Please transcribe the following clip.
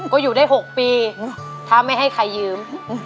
ก็อยู่ได้๖ปีถ้าไม่ให้ใครยืม